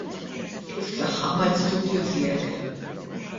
Kif tlaħħaq mal-istudju tiegħek?